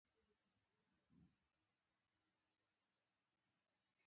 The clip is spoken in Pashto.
د ننګرهار په لعل پورې کې د ګچ نښې شته.